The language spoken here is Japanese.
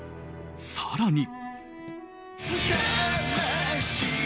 更に。